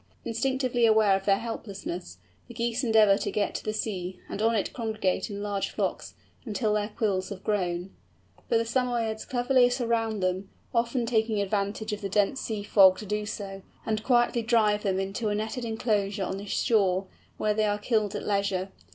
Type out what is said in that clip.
Instinctively aware of their helplessness, the Geese endeavour to get to the sea, and on it congregate in large flocks, until their quills have grown. But the Samoyeds cleverly surround them—often taking advantage of a dense sea fog to do so—and quietly drive them into a netted enclosure on the shore, where they are killed at leisure.